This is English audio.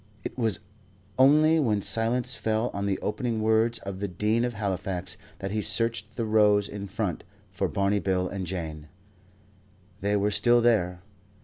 It was only when silence fell on the opening words of the Dean of Halifax that he searched the rows in front for Barney Bill and Jane. They were still there.